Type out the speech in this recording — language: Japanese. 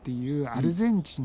アルゼンチン。